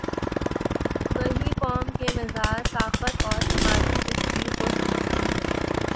وہی قوم کے مزاج، ساخت اور سماجی تشکیل کو سمجھتے ہیں۔